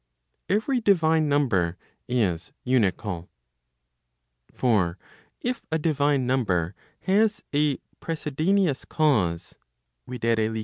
Every divine number is unical. For if a divine number has a precedaneous cause, viz.